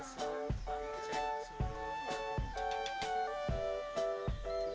selamat datang di lombok